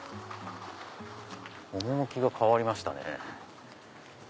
趣が変わりましたね。